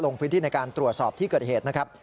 ลงพื้นที่ในการตรวจสอบที่เกิดเหตุนะครับ